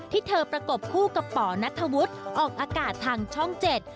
ที่เธอประกบคู่กับป่อนัทธวุฒิออกอากาศทางช่องเจ็ด